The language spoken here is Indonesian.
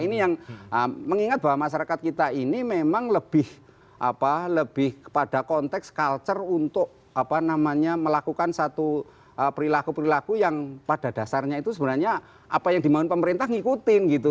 ini yang mengingat bahwa masyarakat kita ini memang lebih pada konteks culture untuk melakukan satu perilaku perilaku yang pada dasarnya itu sebenarnya apa yang dibangun pemerintah ngikutin gitu